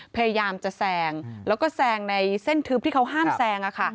พยายามจะแซงแล้วก็แซงในเส้นทึบที่เขาห้ามแซง